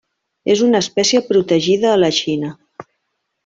És una espècie protegida a la Xina.